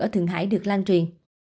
ở thượng hải được lan truyền